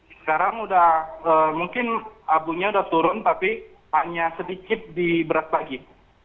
sekarang mungkin abunya sudah turun tapi hanya sedikit di berat lagi